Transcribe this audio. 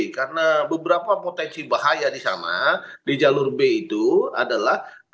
karena beberapa potensi bahaya di sama di jalur b itu adalah